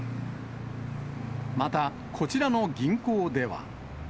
また、こちらの銀行では。